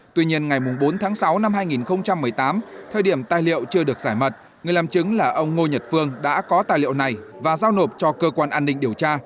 tuy nhiên ngày bốn tháng sáu năm hai nghìn một mươi tám thời điểm tài liệu chưa được giải mật người làm chứng là ông ngô nhật phương đã có tài liệu này và giao nộp cho cơ quan an ninh điều tra